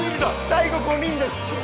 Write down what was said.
最後５人です！